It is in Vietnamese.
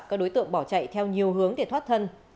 các đối tượng bỏ chạy theo nhiều hướng để thoát thân